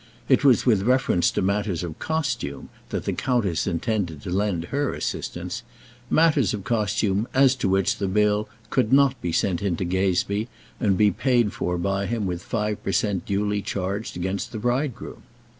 It was with reference to matters of costume that the countess intended to lend her assistance matters of costume as to which the bill could not be sent in to Gazebee, and be paid for by him with five per cent. duly charged against the bridegroom.